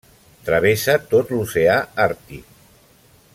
Travessa tot l'Oceà Àrtic.